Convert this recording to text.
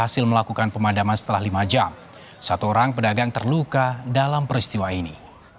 satu orang pedagang terluka dalam peristiwa ini